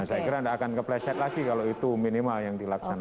saya kira tidak akan kepleset lagi kalau itu minimal yang dilaksanakan